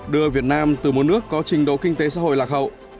đưa việt nam từ một nước có trình độ kinh tế xã hội lạc hậu